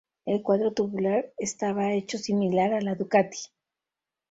El cuadro tubular estaba hecho similar a la Ducati.